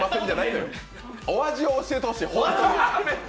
お味を教えてほしい、ホンマに。